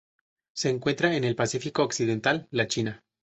Se encuentra en el Pacífico occidental: la China.